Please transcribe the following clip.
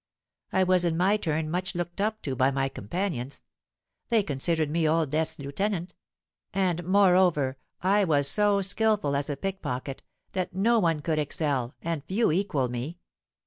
I was, in my turn, much looked up to by my companions: they considered me Old Death's lieutenant; and moreover I was so skilful as a pickpocket, that no one could excel, and few equal me.